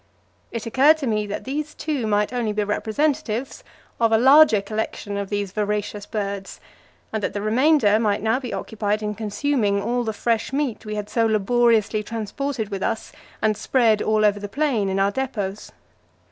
It occurred to me that these two might only be representatives of a larger collection of these voracious birds, and that the remainder might now be occupied in consuming all the fresh meat we had so laboriously transported with us and spread all over the plain in our depots.